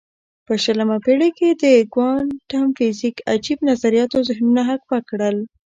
په شلمه پېړۍ کې د کوانتم فزیک عجیب نظریاتو ذهنونه هک پک کړل.